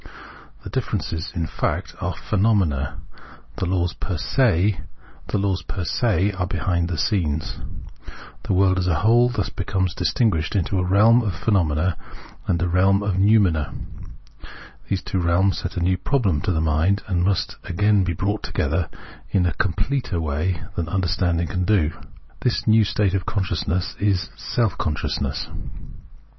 Tlie differences, in fact, are "' phenomena," the laws per se are behind the scenes :— the world as a whole thus becomes distinguished into a realm of phenomena and a realm of noumena. These two realms set a new problem to the mind, and must again be brought together in a completer way than understanding can do. This new state of consciousness is " self consciousness."